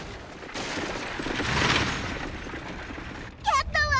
やったわ！